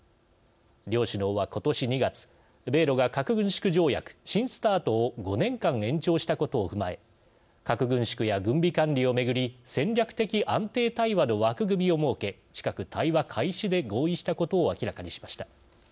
両首脳はことし２月米ロが核軍縮条約新ＳＴＡＲＴを５年間延長したことを踏まえ核軍縮や軍備管理をめぐり戦略的安定対話の枠組みを設け近く対話開始で合意したことを明らかにしました。